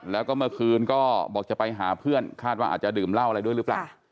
แล้วก็เมื่อคืนก็บอกจะไปหาเพื่อนคาดว่าอาจจะดื่มเหล้าอะไรด้วยหรือเปล่า